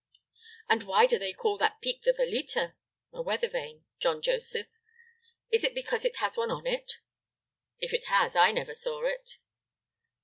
"And why do they call that peak the Veleta, [a weather vane.] John Joseph? Is it because it has one on it?" "If it has, I never saw it."